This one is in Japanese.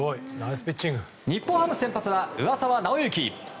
日本ハム先発は上沢直之。